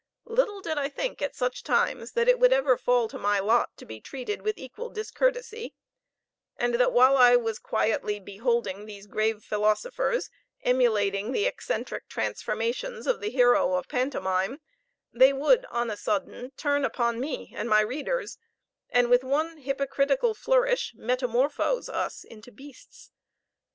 Little did I think at such times that it would ever fall to my lot to be treated with equal discourtesy, and that while I was quietly beholding these grave philosophers emulating the eccentric transformations of the hero of pantomime, they would on a sudden turn upon me and my readers, and with one hypocritical flourish metamorphose us into beasts!